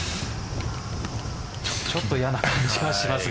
ちょっと嫌な感じがしますが。